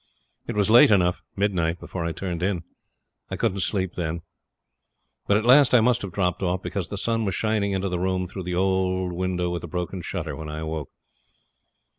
It was late enough midnight before I turned in. I couldn't sleep then; but at last I must have dropped off, because the sun was shining into the room, through the old window with the broken shutter, when I awoke.